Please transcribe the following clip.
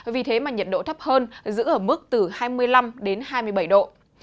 vì thế mà nhiệt độ thấp hơn giữ ở mức từ hai mươi năm đến hai mươi bảy độ